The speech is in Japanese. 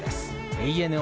ＡＮＡ